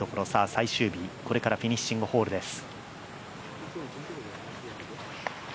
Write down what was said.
最終日、これからフィニッシングホールです。